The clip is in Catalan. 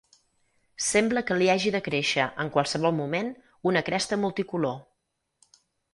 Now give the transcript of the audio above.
Sembla que li hagi de créixer, en qualsevol moment, una cresta multicolor.